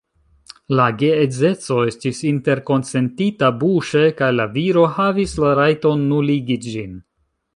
La geedzeco estis interkonsentita buŝe, kaj la viro havis la rajton nuligi ĝin.